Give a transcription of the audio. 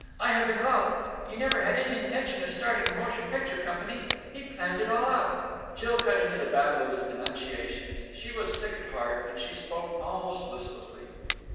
I have been robbed! He never had any intention of starting a motion picture company. He planned it all out...!" Jill cut into the babble of his denunciations. She was sick at heart, and she spoke almost listlessly. "Mr.